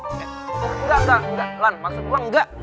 enggak enggak enggak lan maksud gue enggak